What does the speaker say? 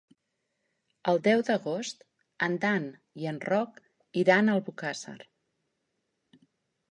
El deu d'agost en Dan i en Roc iran a Albocàsser.